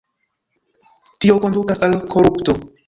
Tio kondukas al korupto.